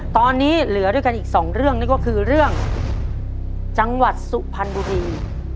ตอนนี้เหลือด้วยกันอีกสองเรื่องนั่นก็คือเรื่องจังหวัดสุพรรณบุรี